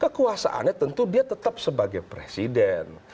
kekuasaannya tentu dia tetap sebagai presiden